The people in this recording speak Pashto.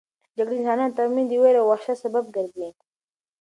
جګړه د انسانانو ترمنځ د وېرې او وحشت سبب ګرځي.